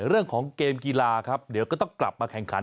เรื่องของเกมกีฬาครับเดี๋ยวก็ต้องกลับมาแข่งขัน